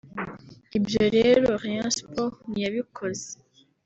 Ibyo rero Rayon Sports ntiyabikoze